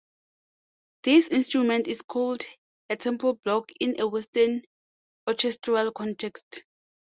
This instrument is called a temple block in a Western orchestral context.